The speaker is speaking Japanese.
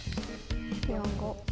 ４５。